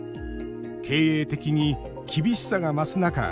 経営的に厳しさが増す中